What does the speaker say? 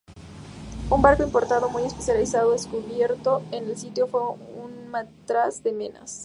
Un barco importado muy especializado descubierto en el sitio fue un matraz de Menas.